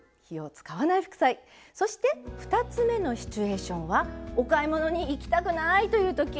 そして２つ目のシチュエーションはお買い物に行きたくないというとき。